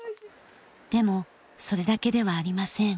でもそれだけではありません。